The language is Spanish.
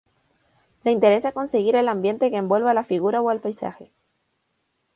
Le interesa conseguir el ambiente que envuelve a la figura o al paisaje.